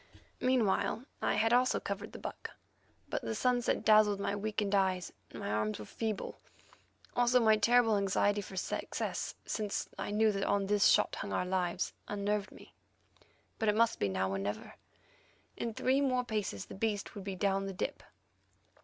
Meanwhile I had also covered the buck, but the sunset dazzled my weakened eyes, and my arms were feeble; also my terrible anxiety for success, since I knew that on this shot hung our lives, unnerved me. But it must be now or never; in three more paces the beast would be down the dip.